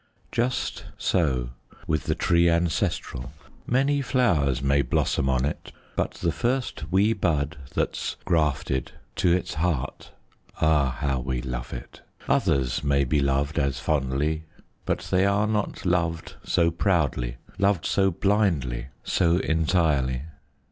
Just so with the tree ancestral, Many flowers may blossom on it, But the first wee bud that's grafted, To its heart, ah, how we love it; Others may be loved as fondly, But they are not loved so proudly, Loved so blindly, so entirely.